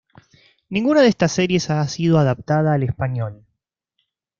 Ninguna de estas series ha sido adaptada al español.